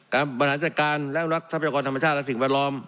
บริหารจัดการและรักทรัพยากรธรรมชาติและสิ่งแวดล้อม